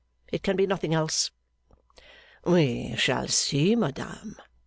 It can be nothing else.' 'We shall see, madame!